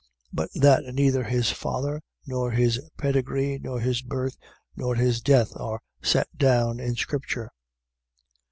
but that neither his father, nor his pedigree, nor his birth, nor his death, are set down in scripture.